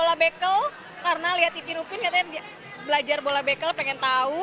bola bekel karena lihat di pinopin katanya belajar bola bekel pengen tahu